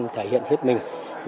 thể hiện hết mình